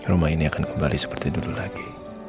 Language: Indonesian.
rumah ini akan kembali seperti dulu lagi